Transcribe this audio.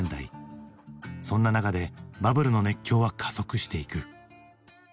そんな中でバブルの熱狂は加速していく。